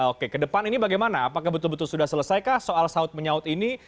oke ke depan ini bagaimana apakah betul betul sudah selesaikah soal saut menyaut ini